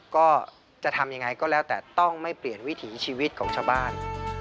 ก็จะทำยังไงก็แล้วแต่ต้องไม่เปลี่ยนวิถีชีวิตของชาวบ้าน